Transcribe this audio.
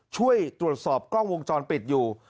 ช่วยตรวจสอบกล้องวงจรปิดอยู่